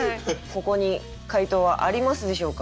ここに解答はありますでしょうか。